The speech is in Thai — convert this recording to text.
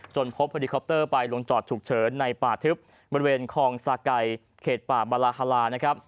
พบเฮลิคอปเตอร์ไปลงจอดฉุกเฉินในป่าทึบบริเวณคลองสาไก่เขตป่าบาลาฮาลานะครับ